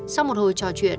sau một hồi trò chuyện